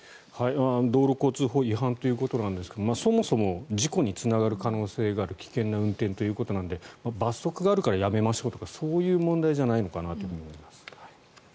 道路交通法違反ということなんですがそもそも事故につながる可能性がある危険な運転ということなので罰則があるからやめましょうとかそういう問題じゃないのかなと思います。